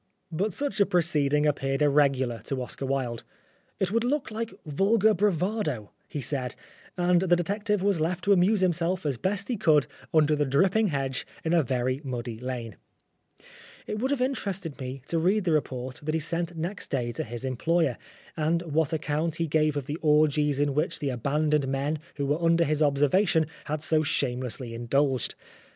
But such a proceeding appeared irregular to Oscar Wilde. " It would look like vulgar bra vado," he said, and the detective was left to amuse himself as best as he could under the dripping hedge in a very muddy lane. It would have interested me to read the report that he sent next day to his employer, and what account he gave of the orgies in which the abandoned men who were under his observation had so shamelessly indulged.